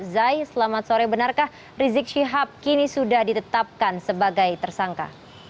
zai selamat sore benarkah rizik syihab kini sudah ditetapkan sebagai tersangka